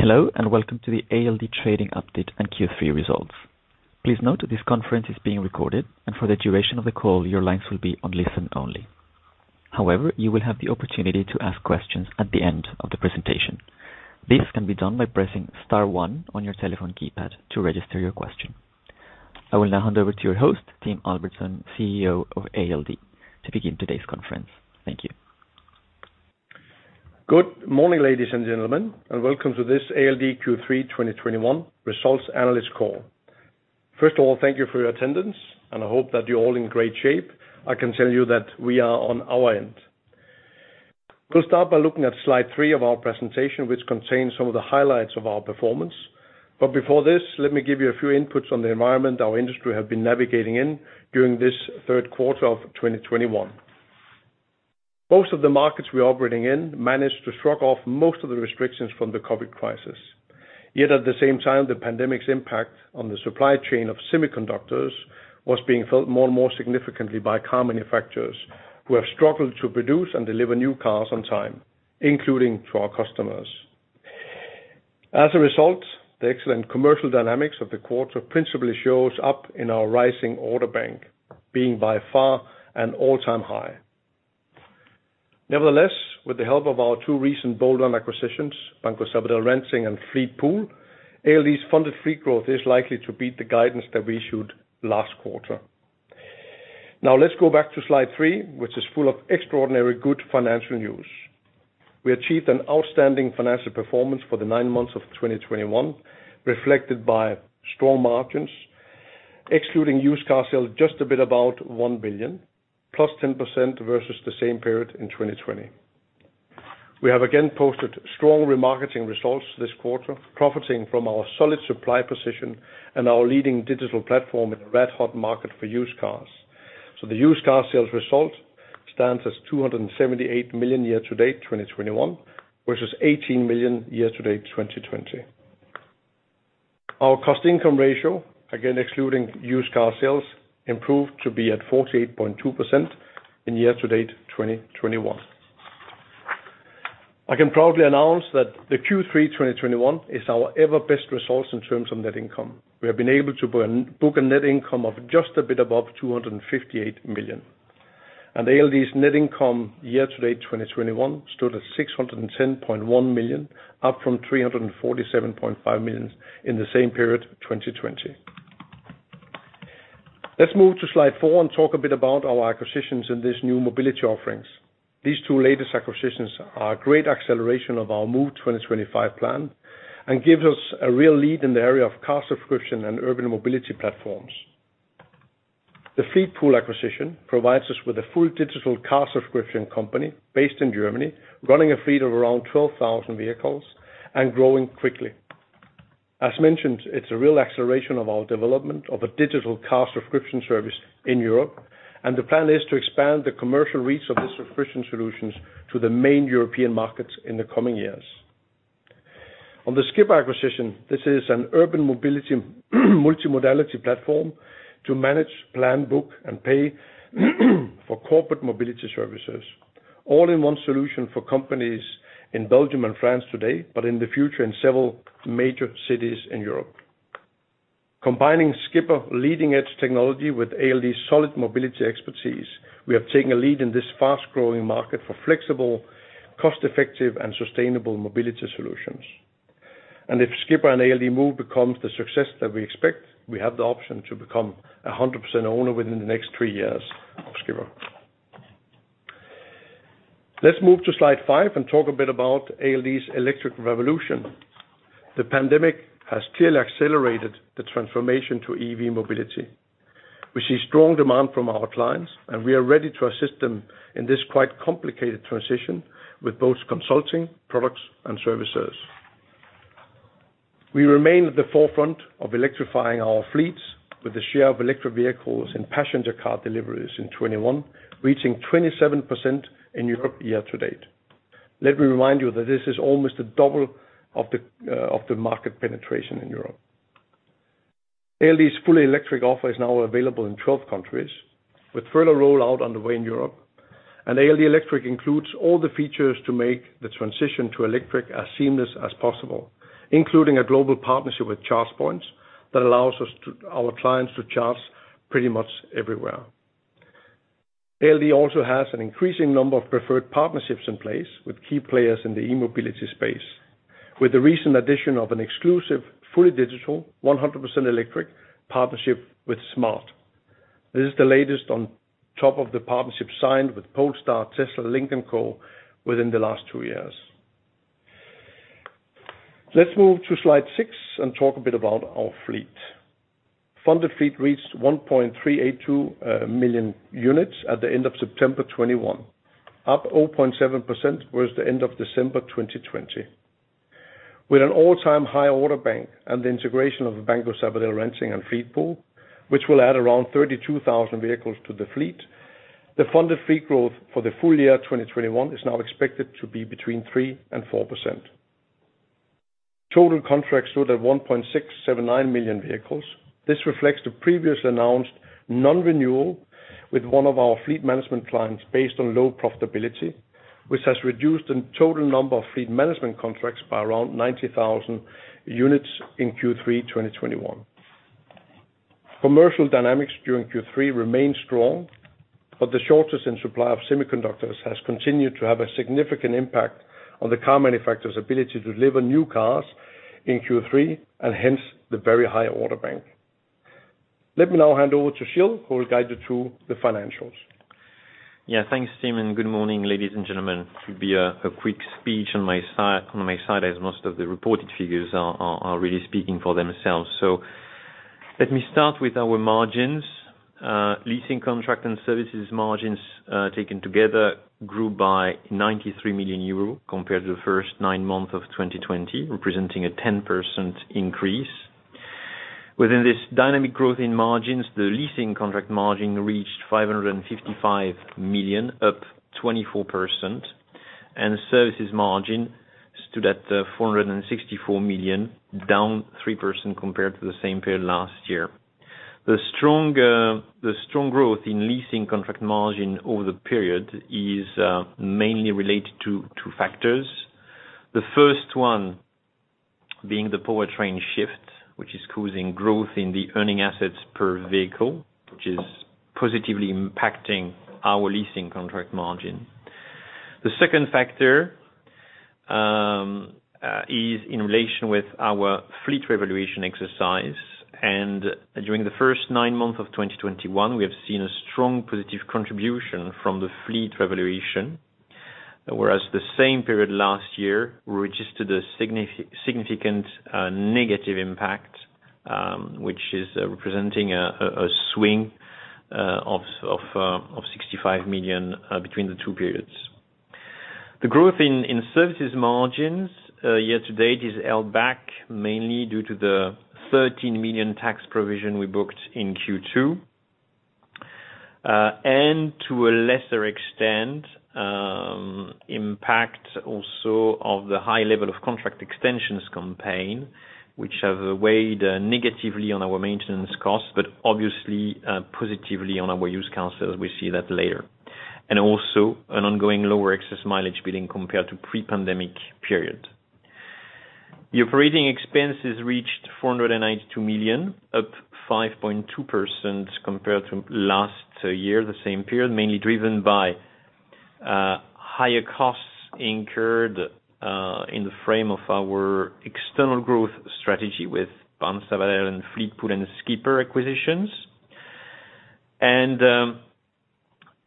Hello, and welcome to the ALD trading update and Q3 results. Please note this conference is being recorded, and for the duration of the call, your lines will be on listen only. However, you will have the opportunity to ask questions at the end of the presentation. This can be done by pressing Star one on your telephone keypad to register your question. I will now hand over to your host, Tim Albertsen, CEO of ALD, to begin today's conference. Thank you. Good morning, ladies and gentlemen, and welcome to this ALD Q3 2021 results analyst call. First of all, thank you for your attendance, and I hope that you're all in great shape. I can tell you that we are on our end. We'll start by looking at Slide three of our presentation, which contains some of the highlights of our performance. Before this, let me give you a few inputs on the environment our industry have been navigating in during this third quarter of 2021. Most of the markets we're operating in managed to shrug off most of the restrictions from the COVID crisis. Yet at the same time, the pandemic's impact on the supply chain of semiconductors was being felt more and more significantly by car manufacturers, who have struggled to produce and deliver new cars on time, including to our customers. As a result, the excellent commercial dynamics of the quarter principally shows up in our rising order bank, being by far an all-time high. Nevertheless, with the help of our two recent bolt-on acquisitions, Bancosabadell Renting and Fleetpool, ALD's funded fleet growth is likely to beat the guidance that we issued last quarter. Now let's go back to Slide three, which is full of extraordinary good financial news. We achieved an outstanding financial performance for the nine months of 2021, reflected by strong margins, excluding used car sales just a bit above 1 billion, +10% versus the same period in 2020. We have again posted strong remarketing results this quarter, profiting from our solid supply position and our leading digital platform in a red-hot market for used cars. The used car sales result stands as 278 million year to date 2021, versus 18 million year to date 2020. Our cost income ratio, again excluding used car sales, improved to be at 48.2% in year to date 2021. I can proudly announce that the Q3 2021 is our best ever results in terms of net income. We have been able to book a net income of just a bit above 258 million. ALD's net income year to date 2021 stood at 610.1 million, up from 347.5 million in the same period 2020. Let's move to Slide four and talk a bit about our acquisitions in these new mobility offerings. These two latest acquisitions are a great acceleration of our Move 2025 plan and gives us a real lead in the area of car subscription and urban mobility platforms. The Fleetpool acquisition provides us with a full digital car subscription company based in Germany, running a fleet of around 12,000 vehicles and growing quickly. As mentioned, it's a real acceleration of our development of a digital car subscription service in Europe, and the plan is to expand the commercial reach of this subscription solutions to the main European markets in the coming years. On the Skipr acquisition, this is an urban mobility, multimodality platform to manage, plan, book, and pay for corporate mobility services, all in one solution for companies in Belgium and France today, but in the future in several major cities in Europe. Combining Skipr leading-edge technology with ALD solid mobility expertise, we have taken a lead in this fast-growing market for flexible, cost-effective, and sustainable mobility solutions. If Skipr and ALD move becomes the success that we expect, we have the option to become a 100% owner within the next three years of Skipr. Let's move to Slide five and talk a bit about ALD's electric revolution. The pandemic has clearly accelerated the transformation to EV mobility. We see strong demand from our clients, and we are ready to assist them in this quite complicated transition with both consulting, products and services. We remain at the forefront of electrifying our fleets with a share of electric vehicles and passenger car deliveries in 2021 reaching 27% in Europe year to date. Let me remind you that this is almost a double of the market penetration in Europe. ALD's fully electric offer is now available in 12 countries, with further rollout on the way in Europe. ALD Electric includes all the features to make the transition to electric as seamless as possible, including a global partnership with ChargePoint that allows our clients to charge pretty much everywhere. ALD also has an increasing number of preferred partnerships in place with key players in the e-mobility space, with the recent addition of an exclusive, fully digital, 100% electric partnership with smart. This is the latest on top of the partnership signed with Polestar, Tesla, Lynk & Co within the last two years. Let's move to Slide six and talk a bit about our fleet. Funded fleet reached 1.382 million units at the end of September 2021, up 0.7% versus the end of December 2020. With an all-time high order bank and the integration of Banco Sabadell Renting and Fleetpool, which will add around 32,000 vehicles to the fleet, the funded fleet growth for the full year 2021 is now expected to be between 3% and 4%. Total contracts stood at 1.679 million vehicles. This reflects the previously announced non-renewal with one of our fleet management clients based on low profitability, which has reduced the total number of fleet management contracts by around 90,000 units in Q3 2021. Commercial dynamics during Q3 remain strong, but the shortage in supply of semiconductors has continued to have a significant impact on the car manufacturer's ability to deliver new cars in Q3 and hence the very high order bank. Let me now hand over to Gilles, who will guide you through the financials. Yeah. Thanks, Tim, and good morning, ladies and gentlemen. It will be a quick speech on my side, as most of the reported figures are really speaking for themselves. Let me start with our margins. Leasing contract and services margins, taken together grew by 93 million euro compared to the first nine months of 2020, representing a 10% increase. Within this dynamic growth in margins, the leasing contract margin reached 555 million, up 24%, and the services margin stood at 464 million, down 3% compared to the same period last year. The strong growth in leasing contract margin over the period is mainly related to two factors. The first one being the powertrain shift, which is causing growth in the earning assets per vehicle, which is positively impacting our leasing contract margin. The second factor is in relation with our fleet revaluation exercise. During the first nine months of 2021, we have seen a strong positive contribution from the fleet revaluation, whereas the same period last year registered a significant negative impact, which is representing a swing of 65 million between the two periods. The growth in services margins year to date is held back mainly due to the 13 million tax provision we booked in Q2. And to a lesser extent, impact also of the high level of contract extensions campaign, which have weighed negatively on our maintenance costs, but obviously positively on our used car sales. We see that later. Also an ongoing lower excess mileage billing compared to pre-pandemic period. The operating expenses reached 492 million, up 5.2% compared to last year, the same period, mainly driven by higher costs incurred in the frame of our external growth strategy with Banco Sabadell and Fleetpool and Skipr acquisitions.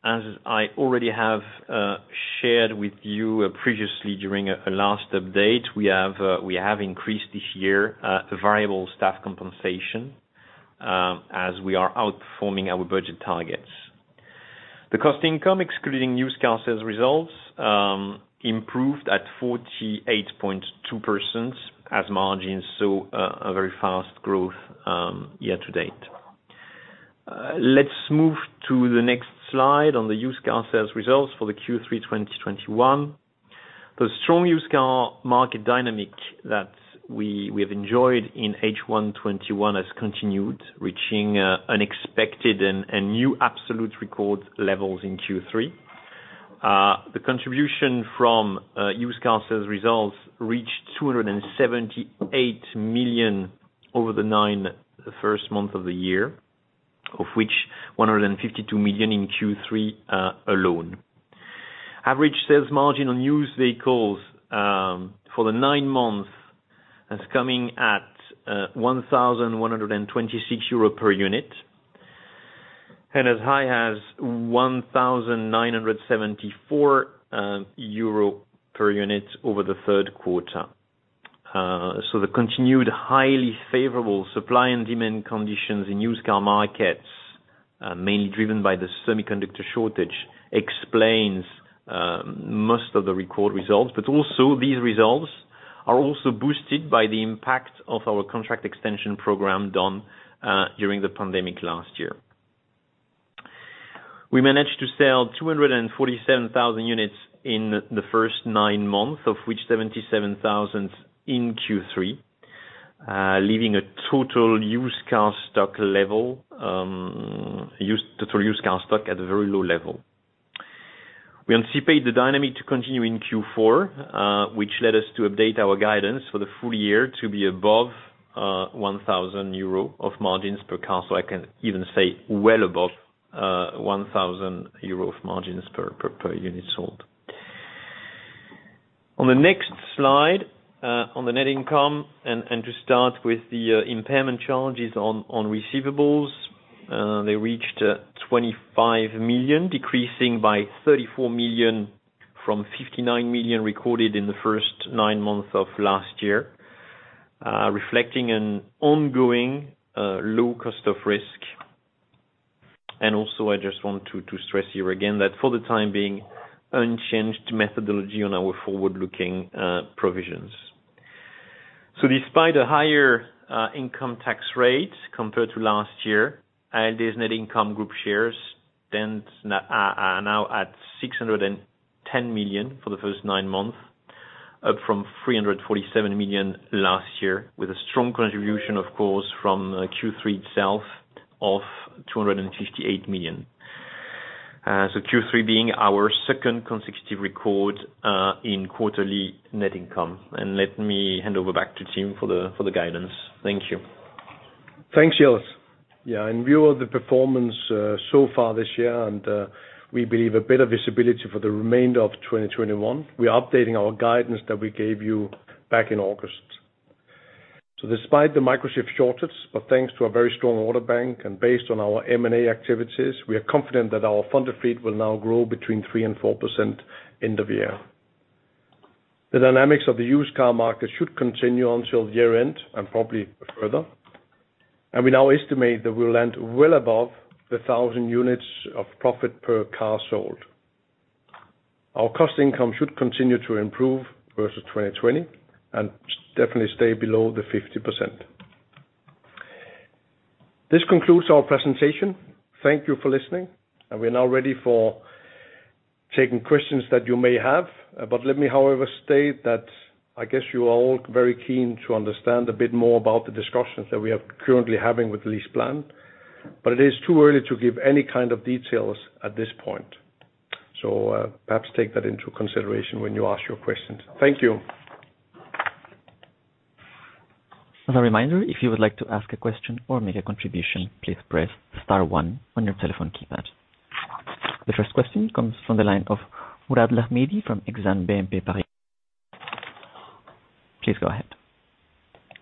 As I already have shared with you previously during a last update, we have increased this year variable staff compensation as we are outperforming our budget targets. The cost income, excluding used car sales results, improved at 48.2% as margins saw a very fast growth year to date. Let's move to the next Slide on the used car sales results for the Q3 2021. The strong used car market dynamic that we have enjoyed in H1 2021 has continued, reaching unexpected and new absolute record levels in Q3. The contribution from used car sales results reached 278 million over the first nine months of the year, of which 152 million in Q3 alone. Average sales margin on used vehicles for the nine months is coming at 1,126 euro per unit, and as high as 1,974 euro per unit over the third quarter. The continued highly favorable supply and demand conditions in used car markets, mainly driven by the semiconductor shortage, explains most of the record results. These results are also boosted by the impact of our contract extension program done during the pandemic last year. We managed to sell 247,000 units in the first nine months, of which 77,000 in Q3, leaving a total used car stock level, total used car stock at a very low level. We anticipate the dynamic to continue in Q4, which led us to update our guidance for the full year to be above 1,000 euro of margins per car. I can even say well above 1,000 euro of margins per unit sold. On the next Slide, on the net income and to start with the impairment charges on receivables, they reached 25 million, decreasing by 34 million from 59 million recorded in the first nine months of last year, reflecting an ongoing low cost of risk. Also, I just want to stress here again that for the time being unchanged methodology on our forward-looking provisions. Despite a higher income tax rate compared to last year, ALD's net income group shares stands, are now at 610 million for the first nine months. Up from 347 million last year, with a strong contribution, of course, from Q3 itself of 258 million. Q3 being our second consecutive record in quarterly net income. Let me hand over back to Tim for the guidance. Thank you. Thanks, Gilles. Yeah, in view of the performance so far this year, and we believe a better visibility for the remainder of 2021, we are updating our guidance that we gave you back in August. Despite the microchip shortage, but thanks to a very strong order bank and based on our M&A activities, we are confident that our funded fleet will now grow between 3%-4% end of year. The dynamics of the used car market should continue until year-end, and probably further. We now estimate that we'll land well above the 1,000 units of profit per car sold. Our cost income should continue to improve versus 2020 and definitely stay below the 50%. This concludes our presentation. Thank you for listening, and we're now ready for taking questions that you may have. Let me, however, state that I guess you are all very keen to understand a bit more about the discussions that we are currently having with LeasePlan, but it is too early to give any kind of details at this point. So, perhaps take that into consideration when you ask your questions. Thank you. As a reminder, if you would like to ask a question or make a contribution, please press Star one on your telephone keypad. The first question comes from the line of Mourad Lahmidi from Exane BNP Paribas. Please go ahead.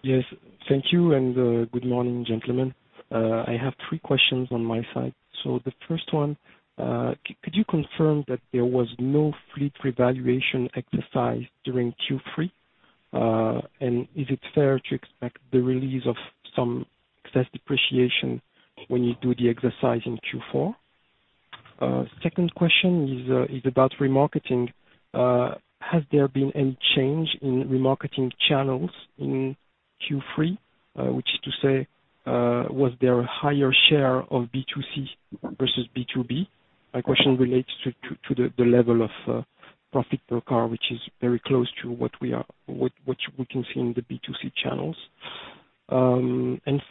Yes, thank you, and good morning, gentlemen. I have three questions on my side. Could you confirm that there was no fleet revaluation exercise during Q3? Is it fair to expect the release of some excess depreciation when you do the exercise in Q4? Second question is about remarketing. Has there been any change in remarketing channels in Q3? Which is to say, was there a higher share of B2C versus B2B? My question relates to the level of profit per car, which is very close to what we can see in the B2C channels.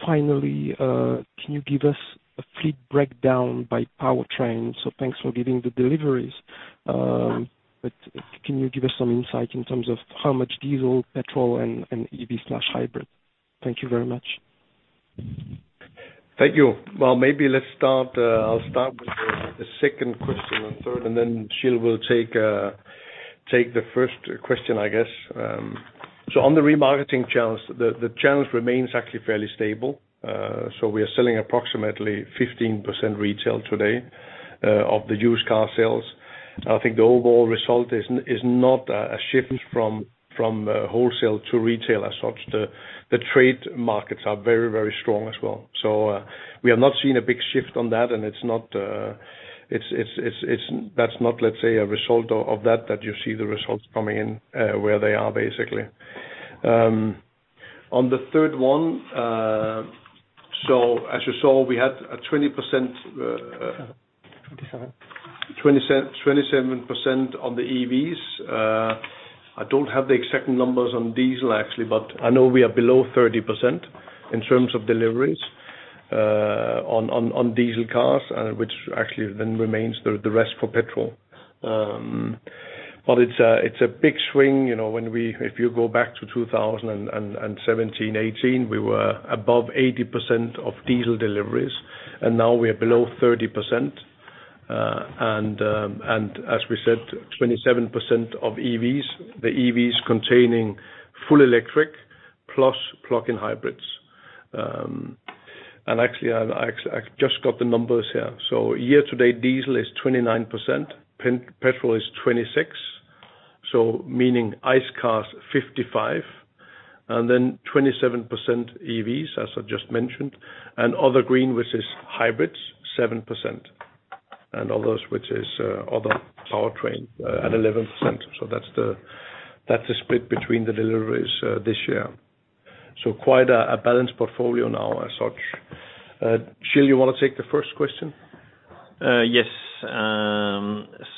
Finally, can you give us a fleet breakdown by powertrain? Thanks for giving the deliveries, but can you give us some insight in terms of how much diesel, petrol and EV/hybrid? Thank you very much. Thank you. Well, maybe let's start, I'll start with the second question and third, and then Gilles will take the first question, I guess. So on the remarketing channels, the channels remains actually fairly stable. So we are selling approximately 15% retail today of the used car sales. I think the overall result is not a shift from wholesale to retail as such. The trade markets are very strong as well. So we have not seen a big shift on that, and it's not, that's not, let's say, a result of that you see the results coming in where they are basically. On the third one, so as you saw, we had a 20%, Twenty-seven. 27% on the EVs. I don't have the exact numbers on diesel actually, but I know we are below 30% in terms of deliveries on diesel cars, which actually then remains the rest for petrol. It's a big swing, you know, if you go back to 2017, 2018, we were above 80% of diesel deliveries, and now we are below 30%. As we said, 27% of EVs, the EVs containing full electric plus plug-in hybrids. Actually, I just got the numbers here. Year-to-date, diesel is 29%, petrol is 26%, so meaning ICE cars 55%, and then 27% EVs, as I just mentioned, and other green, which is hybrids, 7%, and others, which is other powertrain, at 11%. That's the split between the deliveries this year. Quite a balanced portfolio now as such. Gilles, you wanna take the first question? Yes.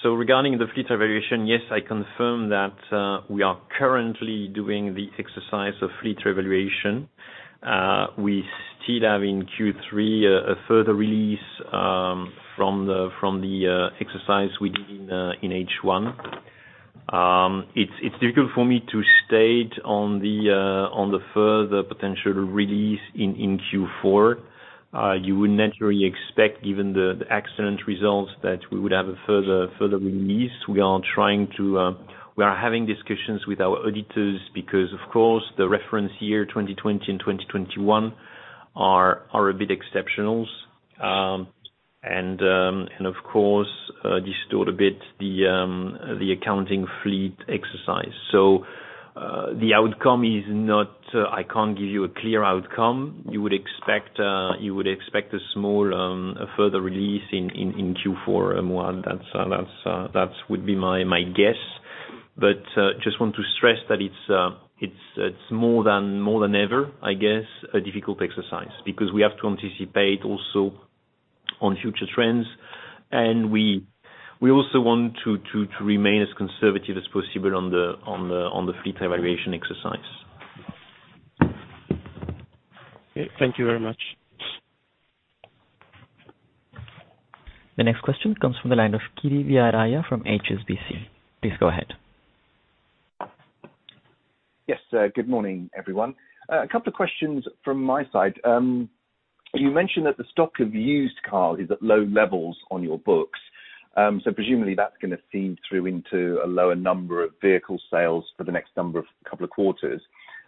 Regarding the fleet revaluation, yes, I confirm that we are currently doing the exercise of fleet revaluation. We still have in Q3 a further release from the exercise we did in H1. It's difficult for me to state on the further potential release in Q4. You would naturally expect given the excellent results that we would have a further release. We are having discussions with our auditors because of course the reference years 2020 and 2021 are a bit exceptional. Of course they distort a bit the accounting fleet exercise. I can't give you a clear outcome. You would expect a further release in Q4 2021. That would be my guess. I just want to stress that it's more than ever, I guess, a difficult exercise because we have to anticipate also. On future trends. We also want to remain as conservative as possible on the fleet valuation exercise. Okay. Thank you very much. The next question comes from the line of Kiri Vijayarajah from HSBC. Please go ahead. Yes. Good morning, everyone. A couple of questions from my side. You mentioned that the stock of used cars is at low levels on your books. So presumably that's gonna feed through into a lower number of vehicle sales for the next couple of quarters.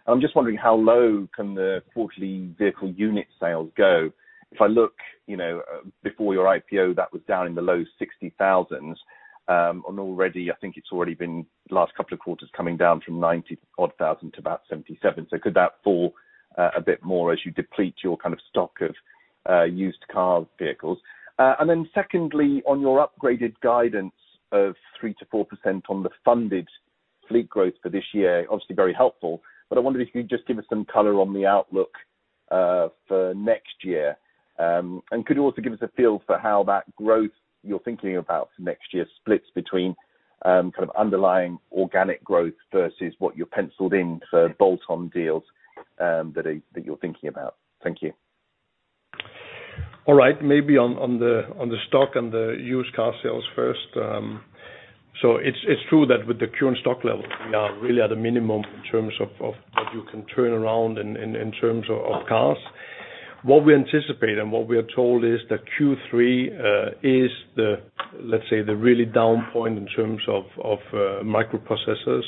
I'm just wondering how low can the quarterly vehicle unit sales go? If I look, you know, before your IPO, that was down in the low 60,000s. Already, I think it's been in the last couple of quarters coming down from 90,000-odd to about 77,000. So could that fall a bit more as you deplete your kind of stock of used car vehicles? Secondly, on your upgraded guidance of 3%-4% on the funded fleet growth for this year, obviously very helpful, but I wondered if you could just give us some color on the outlook for next year. Could you also give us a feel for how that growth you're thinking about for next year splits between kind of underlying organic growth versus what you've penciled in for bolt-on deals that you're thinking about? Thank you. All right. Maybe on the stock and the used car sales first. So it's true that with the current stock levels, we are really at a minimum in terms of what you can turn around in terms of cars. What we anticipate and what we are told is that Q3 is let's say the really down point in terms of microprocessors,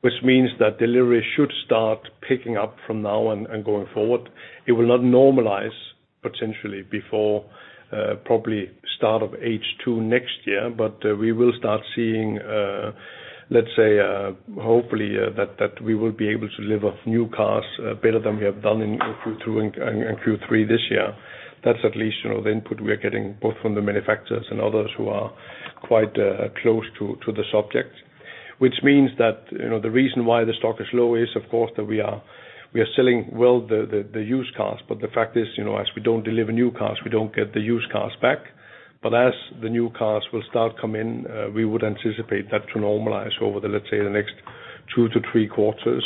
which means that delivery should start picking up from now on and going forward. It will not normalize potentially before probably start of H2 next year. We will start seeing let's say hopefully that we will be able to deliver new cars better than we have done in Q2 and Q3 this year. That's at least, you know, the input we are getting both from the manufacturers and others who are quite close to the subject. Which means that, you know, the reason why the stock is low is of course that we are selling well the used cars. But the fact is, you know, as we don't deliver new cars, we don't get the used cars back. But as the new cars will start coming, we would anticipate that to normalize over the, let's say, the next two to three quarters.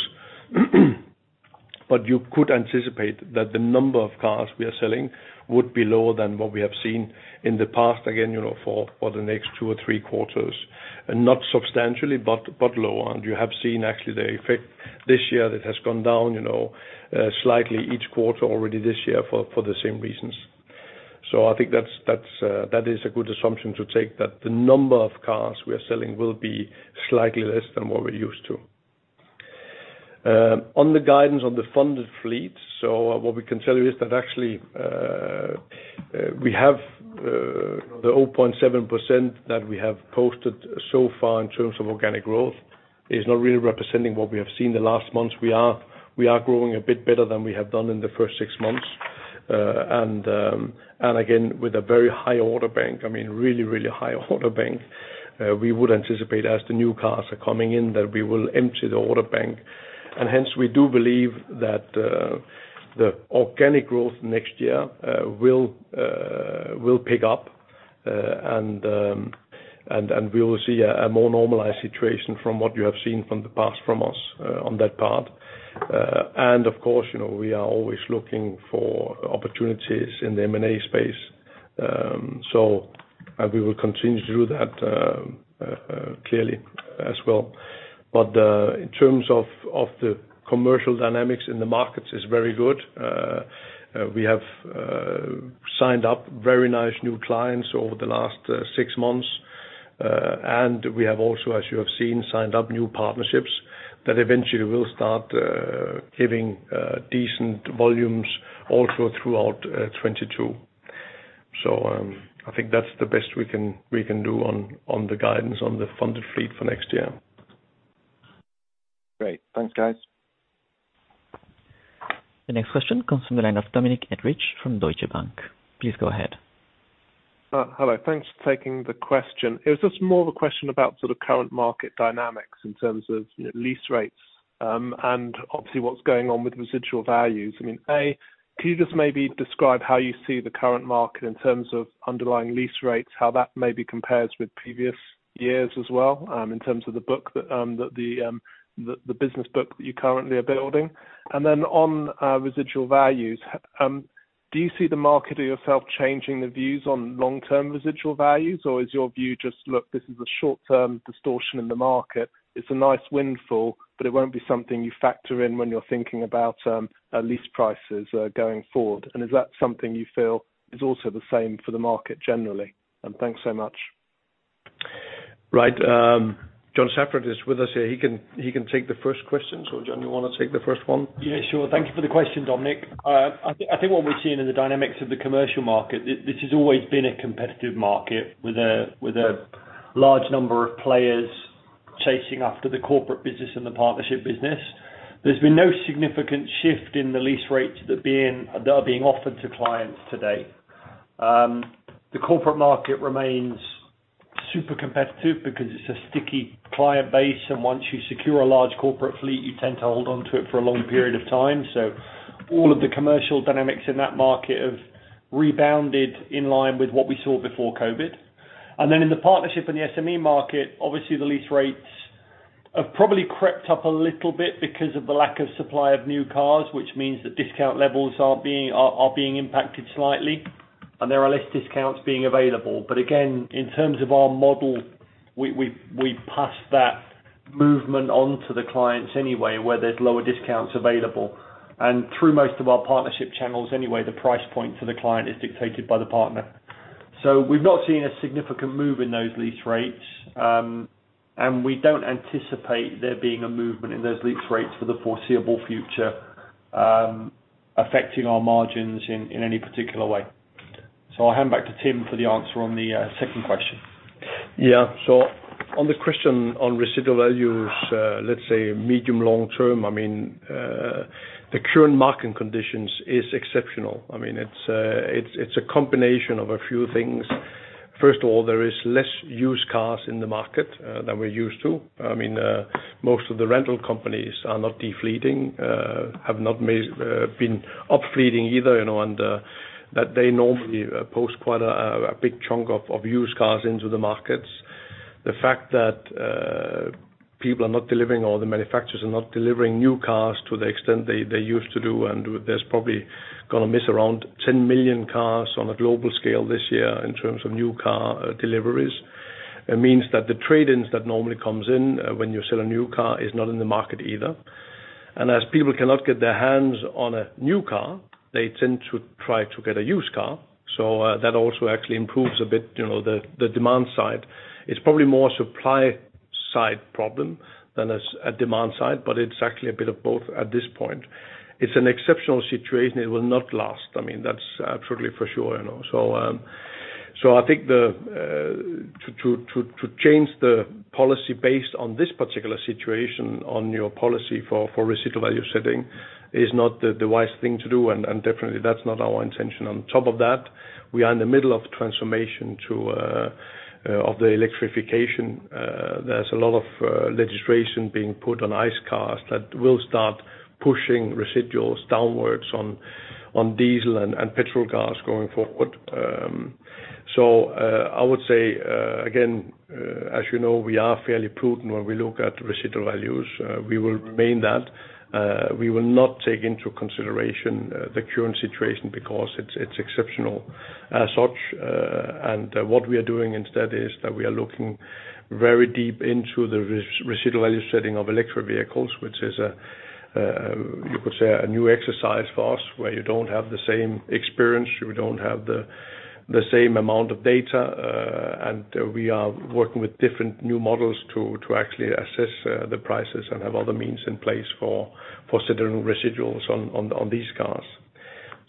But you could anticipate that the number of cars we are selling would be lower than what we have seen in the past, again, you know, for the next two or three quarters. Not substantially, but lower. You have seen actually the effect this year that has gone down, you know, slightly each quarter already this year for the same reasons. I think that's that is a good assumption to take, that the number of cars we are selling will be slightly less than what we're used to. On the guidance on the funded fleet. What we can tell you is that actually, we have the 0.7% that we have posted so far in terms of organic growth, is not really representing what we have seen the last months. We are growing a bit better than we have done in the first six months. with a very high order bank, I mean, really high order bank, we would anticipate as the new cars are coming in, that we will empty the order bank. Hence we do believe that the organic growth next year will pick up, and we will see a more normalized situation from what you have seen from the past from us on that part. Of course, you know, we are always looking for opportunities in the M&A space. We will continue to do that, clearly as well. In terms of the commercial dynamics in the markets is very good. We have signed up very nice new clients over the last six months. We have also, as you have seen, signed up new partnerships that eventually will start giving decent volumes also throughout 2022. I think that's the best we can do on the guidance on the funded fleet for next year. Great. Thanks, guys. The next question comes from the line of Dominic Edridge from Deutsche Bank. Please go ahead. Hello. Thanks for taking the question. It was just more of a question about sort of current market dynamics in terms of lease rates, and obviously what's going on with residual values. I mean, A, can you just maybe describe how you see the current market in terms of underlying lease rates, how that maybe compares with previous years as well, in terms of the business book that you currently are building? On residual values, do you see the market or yourself changing the views on long-term residual values? Or is your view just, look, this is a short-term distortion in the market, it's a nice windfall, but it won't be something you factor in when you're thinking about lease prices going forward? Is that something you feel is also the same for the market generally? Thanks so much. Right. John Saffrett is with us here. He can take the first question. John, you wanna take the first one? Yeah, sure. Thank you for the question, Dominic. I think what we're seeing in the dynamics of the commercial market. This has always been a competitive market with a large number of players chasing after the corporate business and the partnership business. There's been no significant shift in the lease rates that are being offered to clients today. The corporate market remains super competitive because it's a sticky client base, and once you secure a large corporate fleet, you tend to hold on to it for a long period of time. All of the commercial dynamics in that market have rebounded in line with what we saw before COVID. Then in the partnership in the SME market, obviously, the lease rates have probably crept up a little bit because of the lack of supply of new cars, which means the discount levels are being impacted slightly, and there are less discounts being available. Again, in terms of our model, we pass that movement on to the clients anyway, where there's lower discounts available. Through most of our partnership channels anyway, the price point for the client is dictated by the partner. We've not seen a significant move in those lease rates, and we don't anticipate there being a movement in those lease rates for the foreseeable future, affecting our margins in any particular way. I'll hand back to Tim for the answer on the second question. Yeah. On the question on residual values, let's say medium long-term, I mean, the current market conditions is exceptional. I mean, it's a combination of a few things. First of all, there is less used cars in the market than we're used to. I mean, most of the rental companies are not de-fleeting, have not been up-fleeting either, you know, and that they normally post quite a big chunk of used cars into the markets. The fact that people are not delivering or the manufacturers are not delivering new cars to the extent they used to do, and there's probably gonna miss around 10 million cars on a global scale this year in terms of new car deliveries. It means that the trade-ins that normally comes in, when you sell a new car is not in the market either. As people cannot get their hands on a new car, they tend to try to get a used car. That also actually improves a bit, you know, the demand side. It's probably more supply side problem than a demand side, but it's actually a bit of both at this point. It's an exceptional situation. It will not last. I mean, that's absolutely for sure, you know. I think the to change the policy based on this particular situation, on your policy for residual value setting is not the wise thing to do, and definitely that's not our intention. On top of that, we are in the middle of transformation to electrification. There's a lot of legislation being put on ICE cars that will start pushing residuals downwards on diesel and petrol cars going forward. I would say, again, as you know, we are fairly prudent when we look at residual values. We will remain that. We will not take into consideration the current situation because it's exceptional as such. What we are doing instead is that we are looking very deep into the residual value setting of electric vehicles, which is a, you could say, a new exercise for us, where you don't have the same experience, you don't have the same amount of data, and we are working with different new models to actually assess the prices and have other means in place for setting residuals on these cars.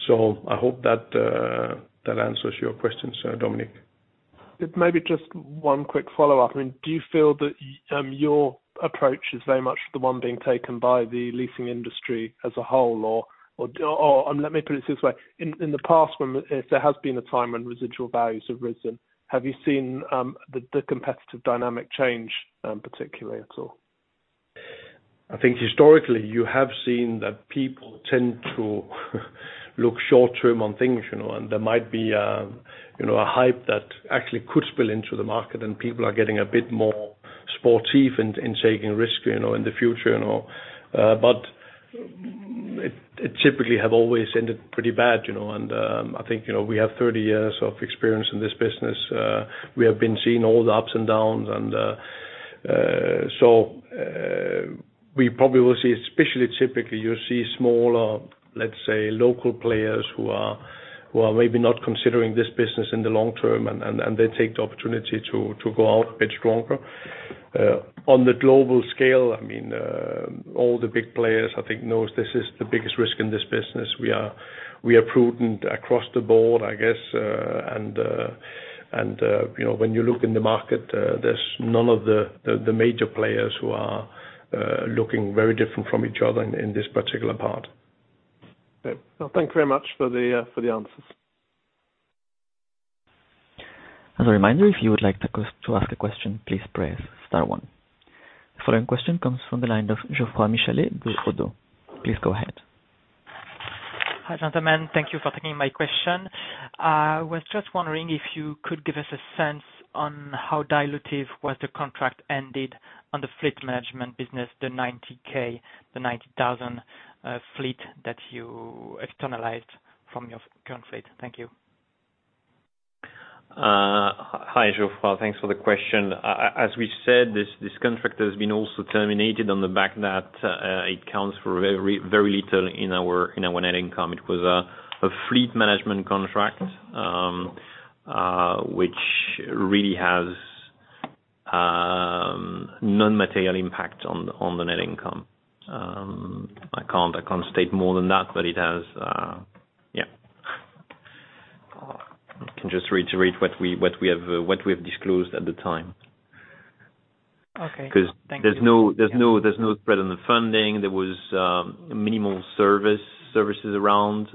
I hope that answers your question, sir Dominic. Maybe just one quick follow-up. I mean, do you feel that your approach is very much the one being taken by the leasing industry as a whole or let me put it this way. In the past, when there has been a time when residual values have risen, have you seen the competitive dynamic change, particularly at all? I think historically, you have seen that people tend to look short term on things, you know, and there might be a hype that actually could spill into the market and people are getting a bit more sportive in taking risk, you know, in the future, you know. It typically have always ended pretty bad, you know, and I think, you know, we have 30 years of experience in this business. We have been seeing all the ups and downs and so we probably will see, especially typically, you see smaller, let's say, local players who are maybe not considering this business in the long term and they take the opportunity to go out a bit stronger. On the global scale, I mean, all the big players. I think knows this is the biggest risk in this business. We are prudent across the board, I guess. You know, when you look in the market, there's none of the major players who are looking very different from each other in this particular part. Okay. Well, thank you very much for the answers. As a reminder, if you would like to ask a question, please press Star one. The following question comes from the line of Geoffroy Michalet with Oddo BHF. Please go ahead. Hi, gentlemen. Thank you for taking my question. I was just wondering if you could give us a sense on how dilutive was the contract ended on the fleet management business, the 90,000 fleet that you externalized from your current fleet. Thank you. Hi, Geoffroy. Thanks for the question. As we said, this contract has been also terminated on the basis that it counts for very little in our net income. It was a fleet management contract which really has immaterial impact on the net income. I can't state more than that, but it has yeah. I can just reiterate what we have disclosed at the time. Okay. Thank you. 'Cause there's no spread on the funding. There was minimal services around.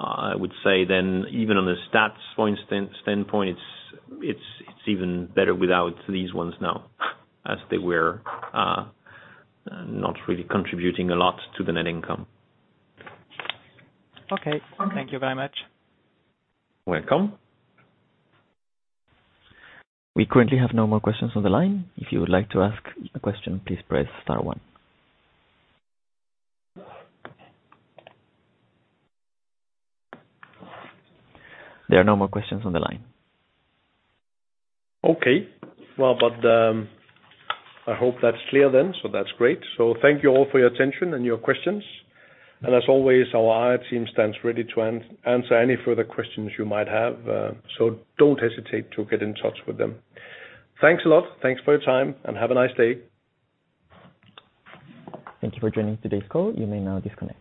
I would say then even on the stats point standpoint, it's even better without these ones now, as they were not really contributing a lot to the net income. Okay. Thank you very much. Welcome. We currently have no more questions on the line. If you would like to ask a question, please press Star one. There are no more questions on the line. Okay. Well, I hope that's clear then. That's great. Thank you all for your attention and your questions. As always, our IR team stands ready to answer any further questions you might have, so don't hesitate to get in touch with them. Thanks a lot. Thanks for your time, and have a nice day. Thank you for joining today's call. You may now disconnect.